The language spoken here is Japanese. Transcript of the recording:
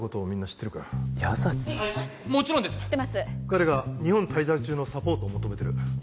知ってます彼が日本滞在中のサポートを求めてる